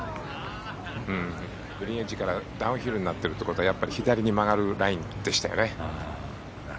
グリーンエッジからダウンヒルになってるということはやっぱり左に曲がるラインでしたよね。